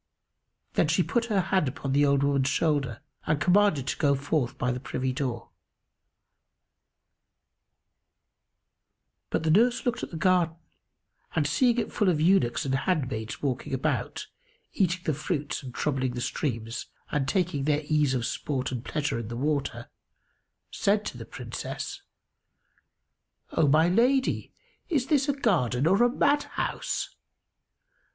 Then she put her hand upon the old woman's shoulder and commanded to go forth by the privy door; but the nurse looked at the garden and, seeing it full of eunuchs and handmaids walking about, eating the fruits and troubling the streams and taking their ease of sport and pleasure in the water said to the Princess, "O my lady, is this a garden or a madhouse?"